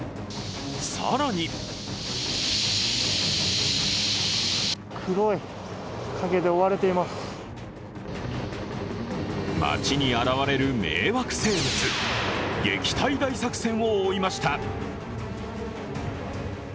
さらに街に現れる迷惑生物、撃退大作戦を追いました。